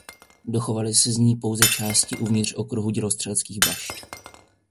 Dochovaly se z ní pouze části uvnitř okruhu dělostřeleckých bašt.